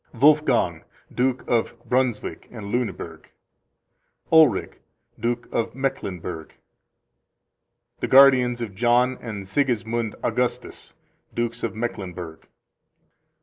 Wolfgang, Duke of Brunswick and Lueneburg. Ulrich, Duke of Mecklenburg. The guardians of John and Sigismund Augustus, Dukes of Mecklenburg.